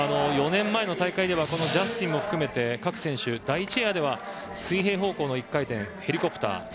４年前の大会ではジャスティンも含めて各選手、第１エアでは水平方向の１回転ヘリコプター。